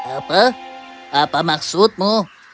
apa apa maksudmu